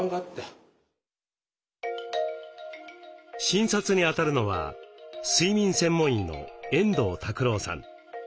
診察にあたるのは睡眠専門医の遠藤拓郎さん。